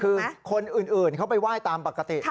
คือคนอื่นเขาไปไหว้ตามปกติ